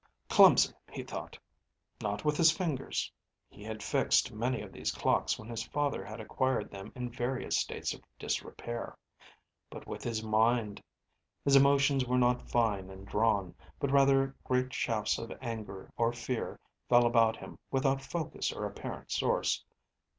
Clumsy, he thought. Not with his fingers, (He had fixed many of these clocks when his father had acquired them in various states of disrepair.), but with his mind. His emotions were not fine and drawn, but rather great shafts of anger or fear fell about him without focus or apparent source.